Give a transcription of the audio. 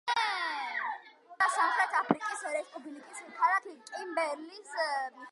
სახელი ეწოდა სამხრეთ აფრიკის რესპუბლიკის ქალაქ კიმბერლის მიხედვით.